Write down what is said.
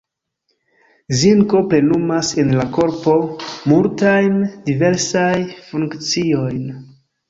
Zinko plenumas en la korpo multajn diversaj funkciojn.